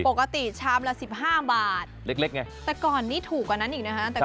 ปกติชามละ๑๕บาทแต่ว่าก่อนนี้ถูกกว่านั้นอีกนะนะครับ